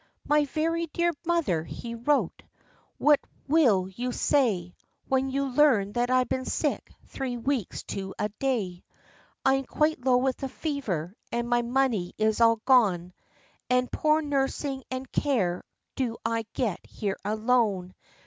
"My very dear Mother," he wrote, "What will you say, When you learn that I've been sick three weeks to a day? I am quite low with a fever, and my money is all gone, And poor nursing and care do I get here alone.